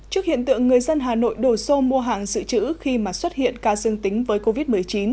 trước hiện tượng người dân hà nội đổ xô mua hàng dự trữ khi mà xuất hiện ca dương tính với covid một mươi chín